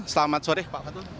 selamat sore pak fatul